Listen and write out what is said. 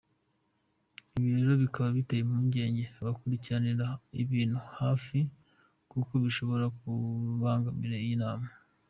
Ibi rero, bikaba biteye impungenge abakurikiranira ibintu hafi, kuko bishobora kubangamira iyi nama.